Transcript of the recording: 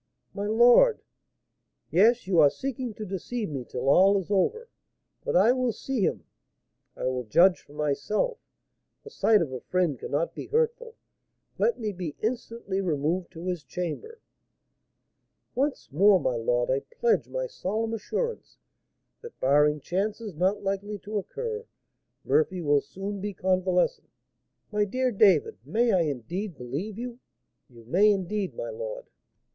"My lord " "Yes, you are seeking to deceive me till all is over. But I will see him, I will judge for myself; the sight of a friend cannot be hurtful. Let me be instantly removed to his chamber." "Once more, my lord, I pledge my solemn assurance, that, barring chances not likely to occur, Murphy will soon be convalescent." "My dear David, may I indeed believe you?" "You may, indeed, my lord."